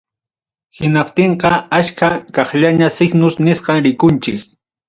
Hinaptinqa achka kaqllaña signos nisqan rikunchik.